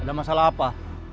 ada masalah apa